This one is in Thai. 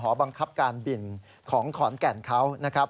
บังคับการบินของขอนแก่นเขานะครับ